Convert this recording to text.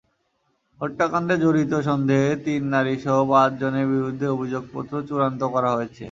হত্যাকাণ্ডে জড়িত সন্দেহে তিন নারীসহ পাঁচজনের বিরুদ্ধে অভিযোগপত্র চূড়ান্ত করা হয়েছে।